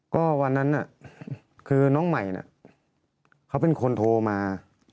ก็วันนั้นคือน้องใหม่เขาเป็นคนโทรมา